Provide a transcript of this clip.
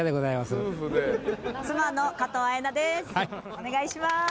お願いします。